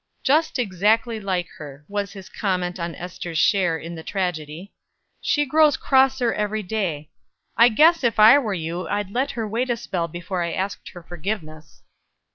"Just exactly like her," was his comment on Ester's share in the tragedy. "She grows crosser every day. I guess, if I were you, I'd let her wait a spell before I asked her forgiveness."